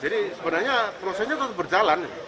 jadi sebenarnya prosesnya tetap berjalan